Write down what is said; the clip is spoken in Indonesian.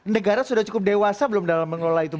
negara sudah cukup dewasa belum dalam mengelola itu